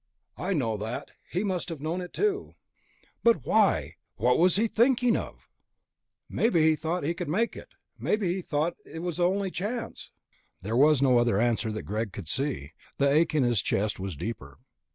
"I know that. He must have known it too." "But why? What was he thinking of?" "Maybe he thought he could make it. Maybe he thought it was the only chance...." There was no other answer that Greg could see, and the ache in his chest was deeper.